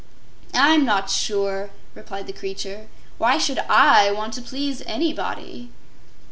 "I'm not sure," replied the creature. "Why should I want to please anybody?"